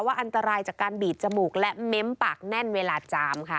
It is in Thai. อันตรายจากการบีดจมูกและเม้มปากแน่นเวลาจามค่ะ